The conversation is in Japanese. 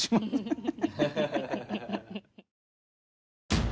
フフフ。